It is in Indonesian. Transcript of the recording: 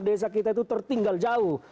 desa kita itu tertinggal jauh